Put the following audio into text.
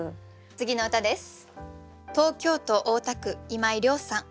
次の歌です。